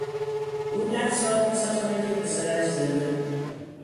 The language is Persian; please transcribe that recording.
او ده سال پس از مرگ پسرش زنده بود.